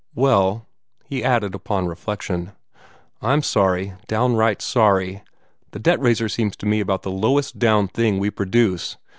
"Well," he added upon reflection, "I'm sorry, downright sorry. The debt raiser seems to me about the lowest down thing we produce.